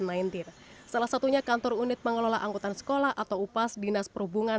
sembilan belas salah satunya kantor unit pengelola angkutan sekolah atau upas dinas perhubungan